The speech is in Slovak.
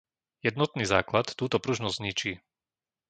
Jednotný základ túto pružnosť zničí.